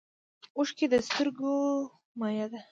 اوښکې د سترګو مایع ده